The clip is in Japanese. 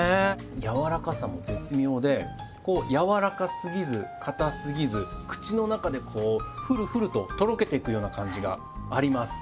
軟らかさも絶妙でこう軟らかすぎず硬すぎず口の中でこうふるふるととろけていくような感じがあります。